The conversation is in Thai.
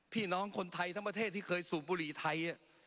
พี่น้องคนไทยทั้งประเทศที่เคยสูบบุหรี่ไทย